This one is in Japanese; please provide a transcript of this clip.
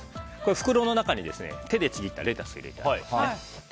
袋の中に手でちぎったレタスを入れてあります。